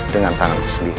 dengan tanganku sendiri